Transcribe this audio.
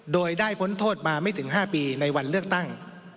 โดยได้พ้นโทษมาไม่ถึง๕ปีในวันเลือกตั้ง